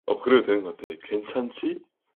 괜찮지?